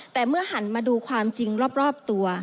แต่เมื่อหันมาดูความจริงรอบตัว